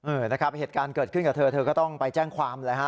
เออนะครับเหตุการณ์เกิดขึ้นกับเธอเธอก็ต้องไปแจ้งความเลยฮะ